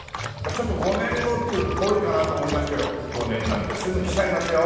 ちょっと５年後っていうと遠いかなと思いますけど５年なんてすぐ来ちゃいますよ。